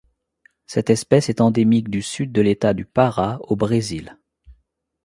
Cette espèce est endémique du Sud de l'État du Pará au Brésil.